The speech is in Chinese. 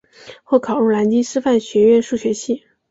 后考入南京师范学院数学系。